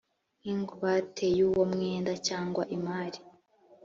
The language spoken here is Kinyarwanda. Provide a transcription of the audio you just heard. nk ingwate y uwo mwenda cyangwa imari